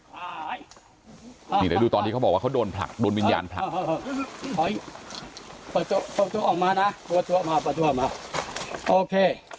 นี่เดี๋ยวดูตอนที่เขาบอกว่าเขาโดนผลักโดนวิญญาณผลัก